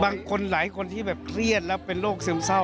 บางคนหลายคนที่เชื่อดแล้วเป็นโรคเซวมเศร้า